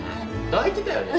泣いてたよね？